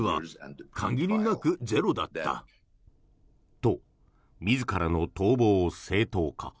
と、自らの逃亡を正当化。